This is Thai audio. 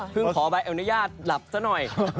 เพิ่งขอบัดอนุญาตหลับซะหน่อย